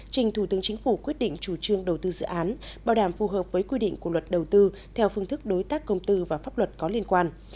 trình thủ tướng chính phủ quyết định chủ trương đầu tư dự án bảo đảm phù hợp với quy định của luật đầu tư theo phương thức đối tác công tư và pháp luật có liên quan